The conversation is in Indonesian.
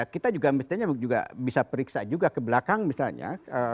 kita juga misalnya bisa periksa juga ke belakang misalnya